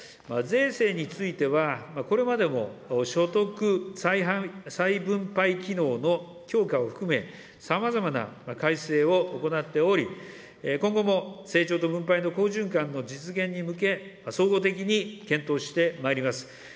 税制については、これまでも所得再分配機能の強化を含め、さまざまな改正を行っており、今後も成長と分配の好循環の実現に向け、総合的に検討してまいります。